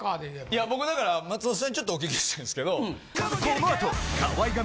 いや僕だから松本さんにちょっとお聞きしたいんですけど。